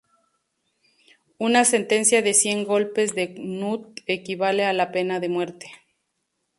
Una sentencia de cien golpes de knut equivale a la pena de muerte.